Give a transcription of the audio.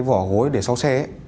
vỏ gối để sau xe